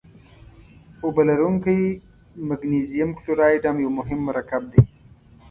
اوبه لرونکی مګنیزیم کلورایډ هم یو مهم مرکب دی.